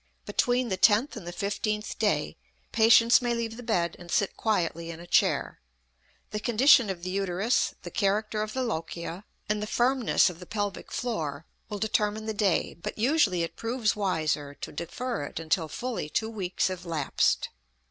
Between the tenth and the fifteenth day patients may leave the bed and sit quietly in a chair. The condition of the uterus, the character of the lochia, and the firmness of the pelvic floor will determine the day, but usually it proves wiser to defer it until fully two weeks have lapsed.